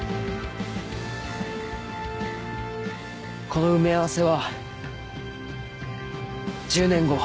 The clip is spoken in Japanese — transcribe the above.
この埋め合わせは１０年後。